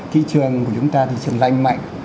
kỳ trường của chúng ta thì trường lanh mạnh